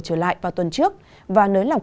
trở lại vào tuần trước và nới lòng